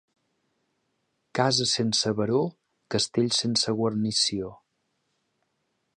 Casa sense baró, castell sense guarnició.